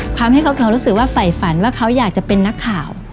ทำให้เขารู้สึกว่าฝ่ายฝันว่าเขาอยากจะเป็นนักข่าว